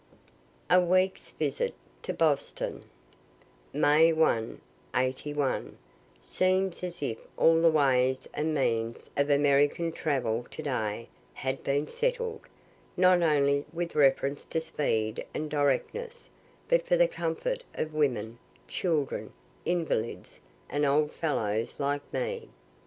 A WEEK'S VISIT TO BOSTON May 1, '81. Seems as if all the ways and means of American travel to day had been settled, not only with reference to speed and directness, but for the comfort of women, children, invalids, and old fellows like me.